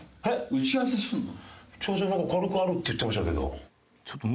打ち合わせなんか軽くあるって言ってましたけど。